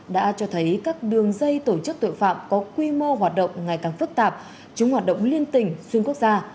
đã cho thấy các đường dây tổ chức tội phạm có quy mô hoạt động ngày càng phức tạp chúng hoạt động liên tỉnh xuyên quốc gia